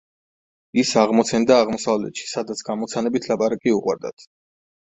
ის აღმოცენდა აღმოსავლეთში, სადაც გამოცანებით ლაპარაკი უყვარდათ.